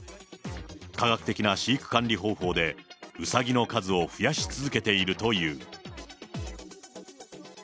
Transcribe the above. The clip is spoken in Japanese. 科学的な飼育管理方法でうさぎの数を増やし続けているという。